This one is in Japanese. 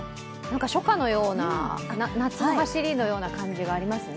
初夏のような、夏のはしりのような感じがありますね。